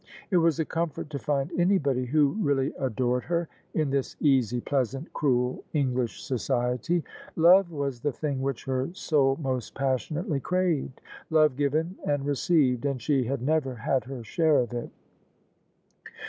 It was a comfort to find anybody who really adored her, in this easy, pleasant, cruel English society. Love was the thing which her soul most passionately craved; love given and received; and she had never had her share of it.